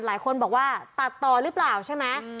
หลายคนบอกว่าตัดต่อหรือเปล่าใช่ไหม